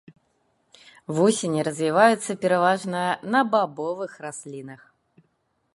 Вусені развіваюцца пераважна на бабовых раслінах.